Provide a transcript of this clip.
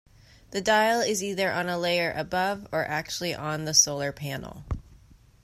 The dial is either on a layer above or actually on the solar panel.